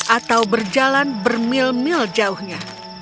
atau berjalan bermil mil jauhnya